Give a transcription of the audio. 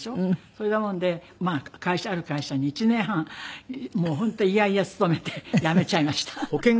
それだもんでまあある会社に１年半もう本当嫌々勤めて辞めちゃいました。